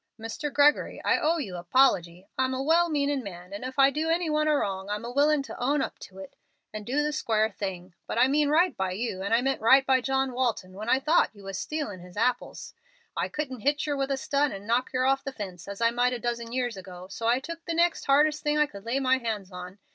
"Mr. Gregory, I owe you a 'pology. I'm a well meanin' man, and if I do any one a wrong I'm willin' to own it up and do the square thing. But I meant right by you and I meant right by John Walton when I thought you was stealin' his apples. I couldn't hit yer with a stun and knock yer off the fence, as I might a dozen years ago, so I took the next hardest thing I could lay hands on.